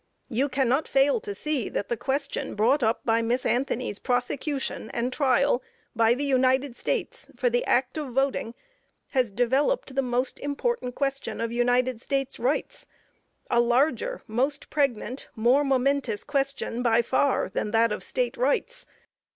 You cannot fail to see that the question brought up by Miss Anthony's prosecution and trial by the United States for the act of voting, has developed the most important question of United States rights; a larger, most pregnant, more momentous question by far, than that of State rights.